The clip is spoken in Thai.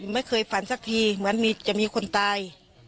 ไม่เคยฝันสักทีเหมือนจะมีคนตาย